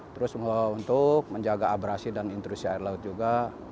terus untuk menjaga abrasi dan intrusi air laut juga